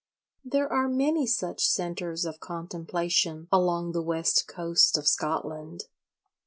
There are many such centres of contemplation along the West Coast of Scotland.